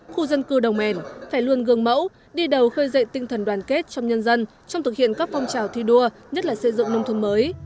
khu dân cư đồng mèn phải luôn gương mẫu đi đầu khơi dậy tinh thần đoàn kết trong nhân dân trong thực hiện các phong trào thi đua nhất là xây dựng nông thôn mới